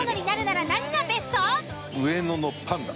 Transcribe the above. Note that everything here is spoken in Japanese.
上野のパンダ。